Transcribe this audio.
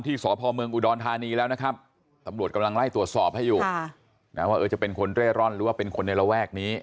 แต่ฟังเกือบทุกห้องเลยครับแล้วก็จับลูกบิดเปิดดูว่าประตูเปิดได้ไหม